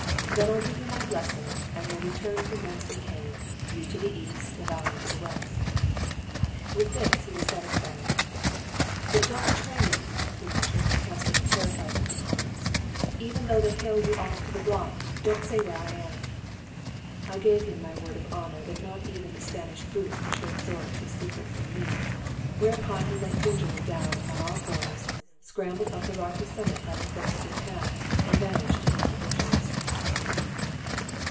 Then I'll give you my blessing, and we'll return from whence we came you to the east, I to the west." With this he was satisfied. "But don't betray me!" he murmured, casting a terrified look upon us; "even though they hale you off to the block, don't say where I am." I gave him my word of honour that not even the Spanish boot should extort his secret from me, whereupon he went gingerly down upon all fours, scrambled up the rocky summit by the corkscrew path, and vanished among the bushes.